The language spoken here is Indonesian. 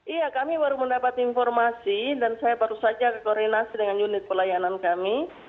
iya kami baru mendapat informasi dan saya baru saja berkoordinasi dengan unit pelayanan kami